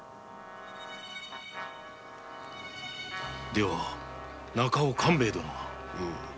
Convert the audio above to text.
では中尾勘兵衛殿が。